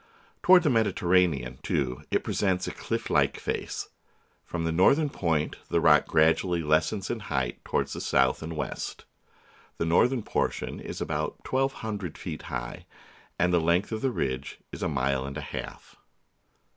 Toward the Mediterranean, too, it presents a cliff like face. From the northern point the rock gradually lessens in height toward the south and west. The northern portion is about twelve hundred feet high, and the length of the ridge is a mile and a half.